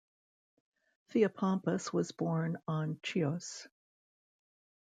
Theopompus was born on Chios.